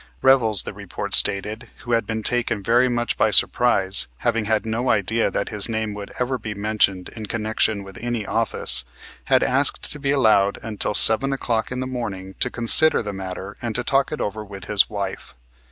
Revels, the report stated, who had been taken very much by surprise, having had no idea that his name would ever be mentioned in connection with any office, had asked to be allowed until 7 o'clock in the morning to consider the matter and to talk it over with his wife.